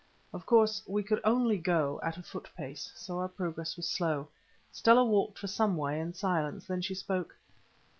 Of course we could only go at a foot pace, so our progress was slow. Stella walked for some way in silence, then she spoke.